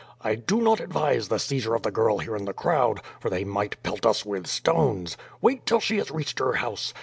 I do not advise the seizure of the girl here in the crowd, for they might pelt ua with stones. Wait till she has reached her house.